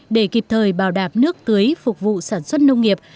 để kịp thời bảo đảm nước tưới phục vụ sản xuất nông nghiệp